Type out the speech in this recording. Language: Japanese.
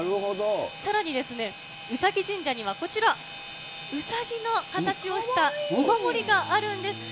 さらにですね、うさぎ神社には、こちら、うさぎの形をしたお守りがあるんです。